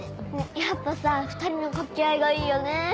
やっぱさ２人の掛け合いがいいよね。